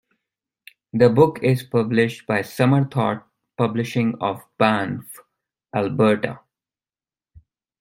The book is published by Summerthought Publishing of Banff, Alberta.